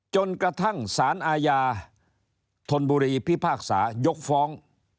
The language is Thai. จนกระทั่งสารอาญาธนบุรีพิพากษายกฟ้อง